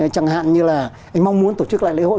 chẳng hạn như là anh mong muốn tổ chức lại lễ hội